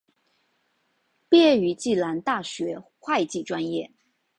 毕业于暨南大学会计专业。